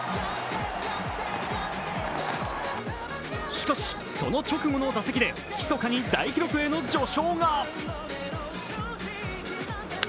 しかし、その直後の打席でひそかに大記録への序章が。